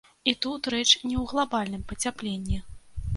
І тут рэч не ў глабальным пацяпленні.